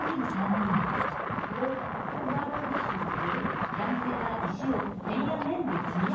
「ロックバランシング」？